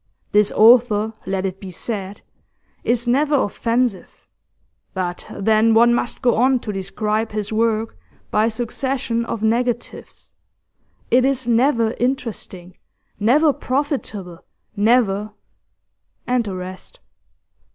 This author, let it be said, is never offensive, but then one must go on to describe his work by a succession of negatives; it is never interesting, never profitable, never ' and the rest.